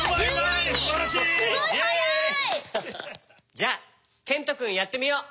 じゃあけんとくんやってみよう。